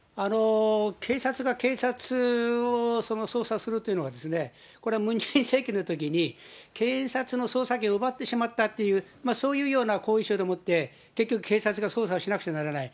警察が警察を捜査するというのは、これはムン・ジェイン政権のときに、検察の捜査権を奪ってしまったという、そういうような後遺症でもって、結局、警察が捜査をしなくちゃならない。